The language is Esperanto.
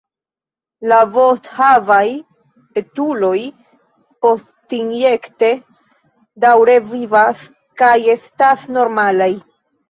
La vosthavaj etuloj postinjekte daŭre vivas kaj estas normalaj.